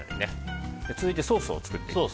続いてソースを作っていきます。